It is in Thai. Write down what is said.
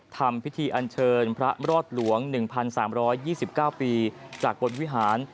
ทำพิธีอันเชิญพระรอดหลวง๑๓๒๙ปีจากบนวิหาร